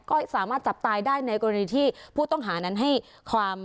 ก็สามารถจับตายได้ในกรณีที่ผู้ต้องหานั้นให้ความ